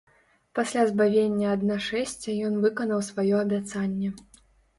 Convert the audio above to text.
Пасля збавення ад нашэсця ён выканаў сваё абяцанне.